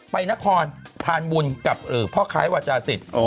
ไปนครพานบุญกับพ่อคล้ายวจสิต